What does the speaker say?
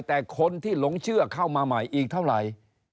แต่คนที่หลงเชื่อเข้ามาใหม่อีกเท่าไหร่